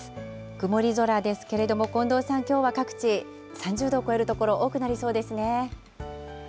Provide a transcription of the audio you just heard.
曇り空ですけれども、近藤さん、きょうは各地、３０度を超える所、多くなりそうですね。